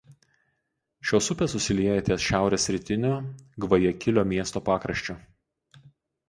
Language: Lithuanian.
Šios upės susilieja ties šiaurės rytiniu Gvajakilio miesto pakraščiu.